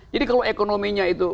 jadi kalau ekonominya itu